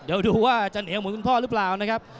เดี๋ยวดูว่าจะเหนียวเหมือนคุณพ่อหรือเปล่านะครับ